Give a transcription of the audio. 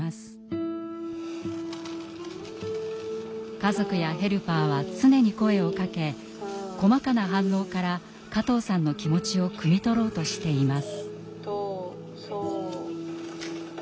家族やヘルパーは常に声をかけ細かな反応から加藤さんの気持ちをくみ取ろうとしています。